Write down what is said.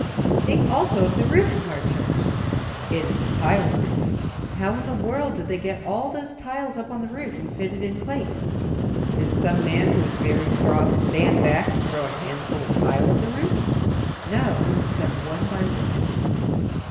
Think also of the roof of our church. It is a tile roof. How in the world did they get all those tiles up on the roof and fitted in place? Did some man who was very strong stand back and throw a handful of tile at the roof? No, it was done one by one.